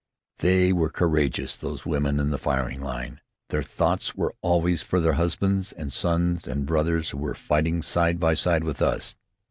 They were courageous, those women in the firing line. Their thoughts were always for their husbands and sons and brothers who were fighting side by side with us.